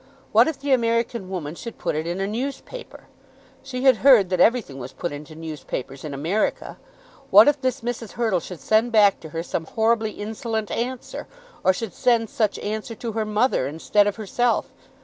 What if the American woman should put it in a newspaper! She had heard that everything was put into newspapers in America. What if this Mrs. Hurtle should send back to her some horribly insolent answer; or should send such answer to her mother, instead of herself!